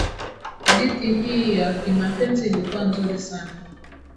hadithi hii ya kimapenzi ilikuwa nzuri sana